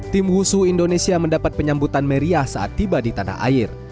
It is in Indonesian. tim husu indonesia mendapat penyambutan meriah saat tiba di tanah air